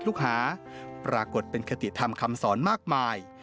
ลูกหาปรากฏเป็นคติธรรมคำสอนมากมาย